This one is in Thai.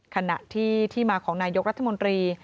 ขณะที่ที่มาของนายกรัฐมนตรี